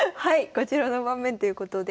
こちらの盤面ということで。